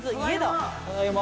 ただいま！